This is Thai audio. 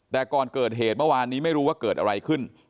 แต่ก่อนเกิดเหตุเมื่อวานนี้ไม่รู้ว่าเกิดอะไรขึ้น